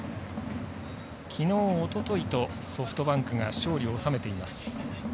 きのう、おとといとソフトバンクが勝利を収めています。